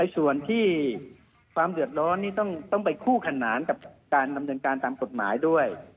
ส่วนที่ความเดือดร้อนนี่ต้องไปคู่ขนานกับการดำเนินการตามกฎหมายด้วย